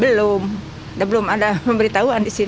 belum udah belum ada memberitahuan di sini kan